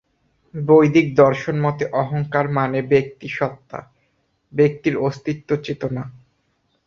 বৈদিক দর্শনমতে অহংকার মানে ব্যক্তি স্বত্তা, ব্যক্তির অস্তিত্ব চেতনা।